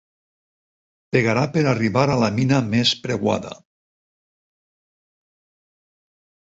Pregarà per arribar a la mina més preuada.